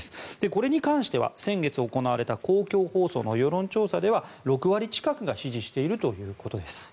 これに関しては先月行われた公共放送の世論調査では６割近くが支持しているということです。